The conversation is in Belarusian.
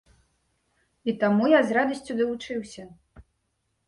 І таму я з радасцю далучыўся.